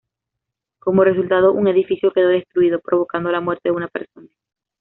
Como resultado, un edificio quedó destruido, provocando la muerte de una persona.